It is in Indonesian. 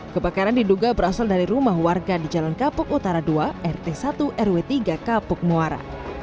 kebakaran diduga berasal dari rumah warga di jalan kapuk utara dua rt satu rw tiga kapuk muara